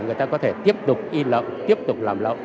người ta có thể tiếp tục in lậu tiếp tục làm lậu